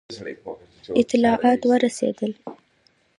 اطلاعات ورسېدل.